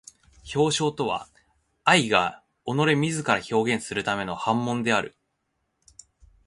表象とは愛が己れ自ら表現するための煩悶である。